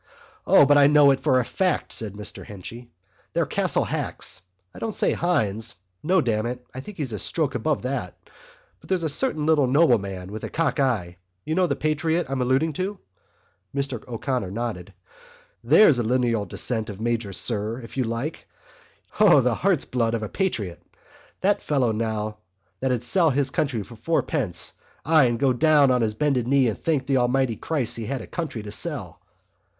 "O, but I know it for a fact," said Mr Henchy. "They're Castle hacks.... I don't say Hynes.... No, damn it, I think he's a stroke above that.... But there's a certain little nobleman with a cock eye—you know the patriot I'm alluding to?" Mr O'Connor nodded. "There's a lineal descendant of Major Sirr for you if you like! O, the heart's blood of a patriot! That's a fellow now that'd sell his country for fourpence—ay—and go down on his bended knees and thank the Almighty Christ he had a country to sell."